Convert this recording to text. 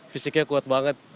fisiknya kuat banget